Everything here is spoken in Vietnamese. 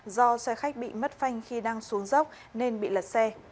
do xe khách bị mất phanh khi đang xuống dốc nên bị lật xe